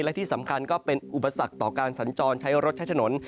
และที่สำคัญก็เป็นอุปสรรคต่อการสัญจรใช้รถใช้ถนน